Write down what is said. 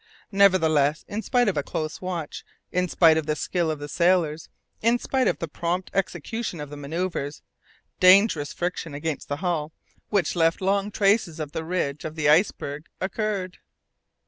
Nevertheless, in spite of a close watch, in spite of the skill of the sailors, in spite of the prompt execution of the manoeuvres, dangerous friction against the hull, which left long traces of the ridge of the icebergs, occurred.